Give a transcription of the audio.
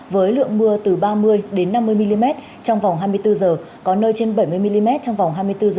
với lượng mưa từ ba mươi năm mươi mm trong vòng hai mươi bốn h có nơi trên bảy mươi mm trong vòng hai mươi bốn h